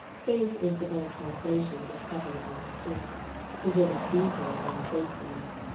faith is the better translation if properly understood. The word is deeper than faithfulness.